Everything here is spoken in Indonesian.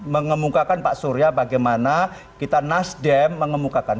mengemukakan pak surya bagaimana kita nasdem mengemukakan